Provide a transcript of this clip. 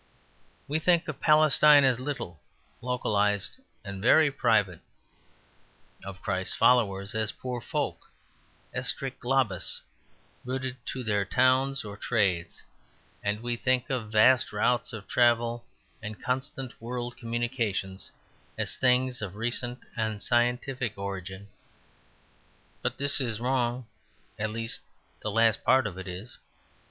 We think of Palestine as little, localized and very private, of Christ's followers as poor folk, astricti globis, rooted to their towns or trades; and we think of vast routes of travel and constant world communications as things of recent and scientific origin. But this is wrong; at least, the last part of it is.